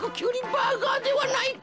バーガーではないか。